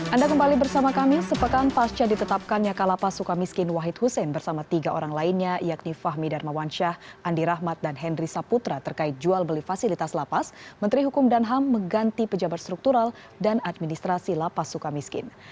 anda kembali bersama kami sepekan pasca ditetapkannya kalapas suka miskin wahid hussein bersama tiga orang lainnya yakni fahmi darmawansyah andi rahmat dan henry saputra terkait jual beli fasilitas lapas menteri hukum dan ham mengganti pejabat struktural dan administrasi lapas suka miskin